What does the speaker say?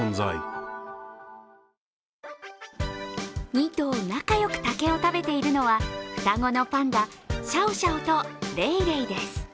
２頭仲良く竹を食べているのはの双子のパンダ、シャオシャオとレイレイです。